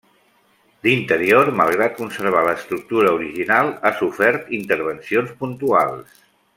L'interior, malgrat conservar l'estructura original, ha sofert intervencions puntuals.